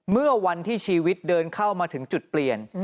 เมื่อวันที่ชีวิตเดินเข้ามาถึงจุดเปลี่ยน